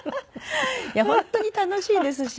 いや本当に楽しいですし